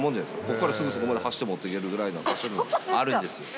ここからすぐそこまで走って持っていけるぐらいの場所にあるんですよ。